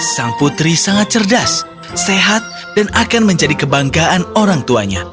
sang putri sangat cerdas sehat dan akan menjadi kebanggaan orang tuanya